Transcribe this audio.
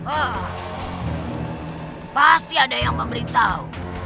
oh pasti ada yang memberitahu